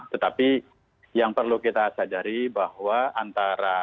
tetapi yang perlu kita sadari bahwa antara